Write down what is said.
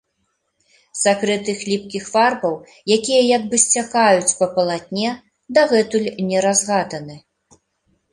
Сакрэт іх ліпкіх фарбаў, якія як бы сцякаюць па палатне, дагэтуль не разгаданы.